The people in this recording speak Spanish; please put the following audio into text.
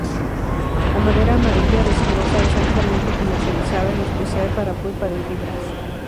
La madera amarilla, resinosa es altamente comercializada, en especial para pulpa de fibras.